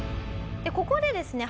ここでですね